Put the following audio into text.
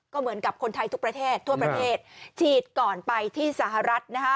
ก็เหมือนกับคนไทยทุกประเทศทั่วประเทศฉีดก่อนไปที่สหรัฐนะคะ